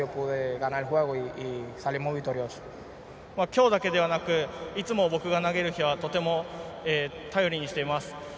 きょうだけではなくいつも僕が投げる日はとても頼りにしています。